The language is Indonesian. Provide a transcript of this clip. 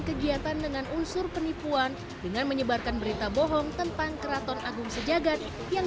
kegiatan dengan unsur penipuan dengan menyebarkan berita bohong tentang keraton agung sejagat yang